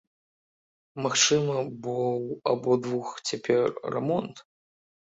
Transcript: Магчыма, бо ў абодвух цяпер рамонт.